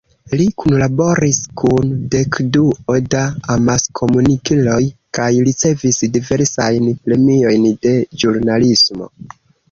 Li kunlaboris kun dekduo da amaskomunikiloj kaj ricevis diversajn premiojn de ĵurnalismo.